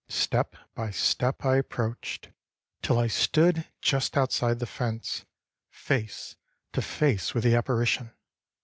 Step by step I approached, till I stood just outside the fence, face to face with the apparition.